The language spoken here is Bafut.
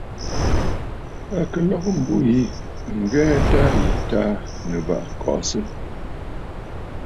À ka lɔ̀gə mbû yì ɨ ghɛ tâ yì Taà Nɨ̀bàʼà kɔʼɔsə.